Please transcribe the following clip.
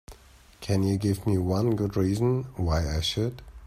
Can you give me one good reason why I should?